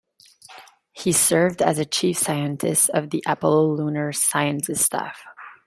He served as chief scientist of the Apollo Lunar Science Staff.